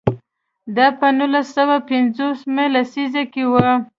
دا په نولس سوه پنځوس مه لسیزه کې و.